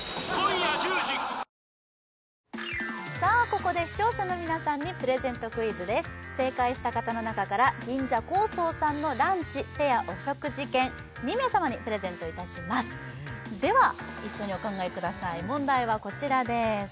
ここで視聴者の皆さんにプレゼントクイズです正解した方の中からＧＩＮＺＡＫＯＳＯさんのランチペアお食事券２名様にプレゼントいたしますでは一緒にお考えください問題はこちらです